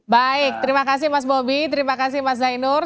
baik terima kasih mas bobi terima kasih mas zainur